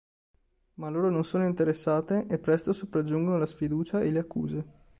Ma loro non sono interessate e presto sopraggiungono la sfiducia e le accuse.